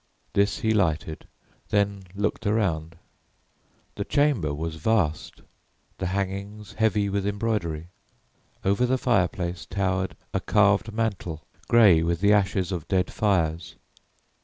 This he lighted, then looked around. The chamber was vast, the hangings heavy with embroidery. Over the fireplace towered a carved mantel, grey with the ashes of dead fires.